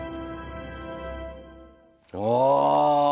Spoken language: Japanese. ああ。